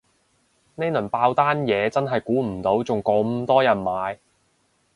呢輪爆單嘢真係估唔到仲咁多人買